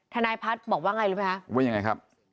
ทนายพัฒน์บอกว่าไงรู้ไหมคะว่ายังไงครับ